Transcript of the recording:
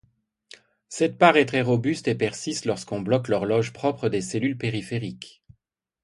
Cette part est très robuste et persiste lorsqu'on bloque l'horloge propre des cellules périphériques.